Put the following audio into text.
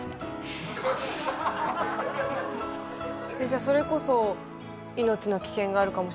えっじゃあそれこそ命の危険があるかもしれないですよね。